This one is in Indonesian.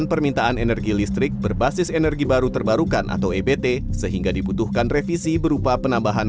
pemerintah dan pt pln